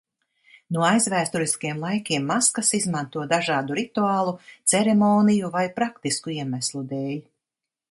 No aizvēsturiskiem laikiem maskas izmanto dažādu rituālu, ceremoniju vai praktisku iemeslu dēļ.